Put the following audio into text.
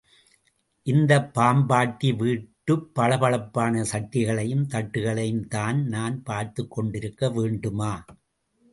இந்தப் பாம்பாட்டி வீட்டுப் பளபளப் பான சட்டிகளையும், தட்டுகளையும்தான் நான் பார்த்துக் கொண்டிருக்க வேண்டுமா?